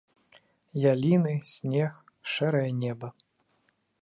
Яліны, снег, шэрае неба.